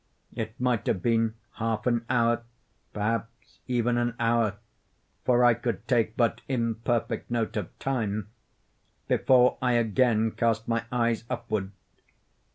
It might have been half an hour, perhaps even an hour, (for I could take but imperfect note of time) before I again cast my eyes upward.